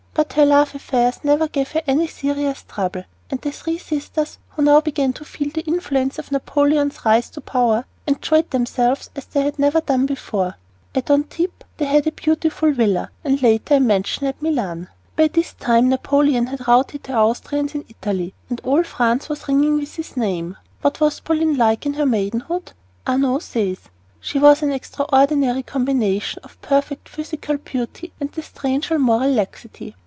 But her love affairs never gave her any serious trouble; and the three sisters, who now began to feel the influence of Napoleon's rise to power, enjoyed themselves as they had never done before. At Antibes they had a beautiful villa, and later a mansion at Milan. By this time Napoleon had routed the Austrians in Italy, and all France was ringing with his name. What was Pauline like in her maidenhood? Arnault says: She was an extraordinary combination of perfect physical beauty and the strangest moral laxity.